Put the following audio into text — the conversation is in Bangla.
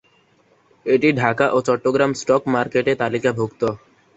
এটি ঢাকা ও চট্টগ্রাম স্টক মার্কেটে তালিকাভুক্ত।